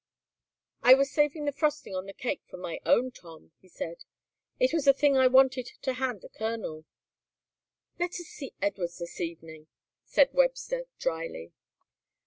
"I was saving the frosting on the cake for my own Tom," he said; "it was a thing I wanted to hand the colonel." "Let us see Edwards this evening," said Webster dryly.